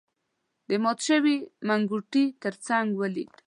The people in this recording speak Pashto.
د مات شوی منګوټي تر څنګ ولید.